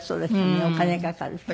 お金かかるしね。